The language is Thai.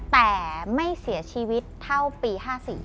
แต่ไม่เสียชีวิตเท่าปี๕๔